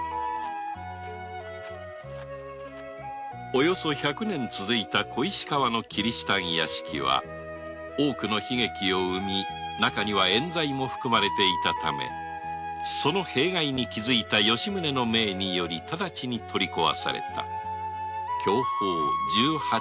およそ百年続いた小石川のキリシタン屋敷は多くの悲劇を生み中にはえん罪も含まれていたためその弊害に気づいた吉宗の命により直ちに取り壊された享保十八年の事であった